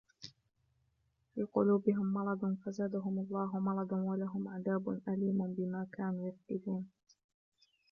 فِي قُلُوبِهِمْ مَرَضٌ فَزَادَهُمُ اللَّهُ مَرَضًا وَلَهُمْ عَذَابٌ أَلِيمٌ بِمَا كَانُوا يَكْذِبُونَ